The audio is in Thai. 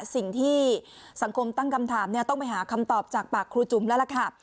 สิ่งที่สังคมตั้งคำถามต้องไปหาคำตอบจากปากครูจุ๋มแล้วล่ะค่ะ